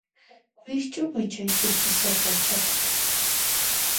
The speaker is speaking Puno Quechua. Wikch'upuy chay ch'uspisapa aychata.